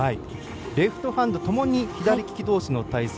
レフトハンドともに左利き同士の対戦。